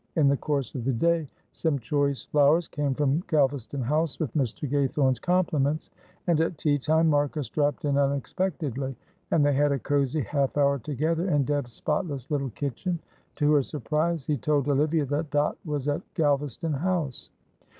In the course of the day some choice flowers came from Galvaston House with Mr. Gaythorne's compliments, and at tea time Marcus dropped in unexpectedly, and they had a cosy half hour together in Deb's spotless little kitchen; to her surprise he told Olivia that Dot was at Galvaston House.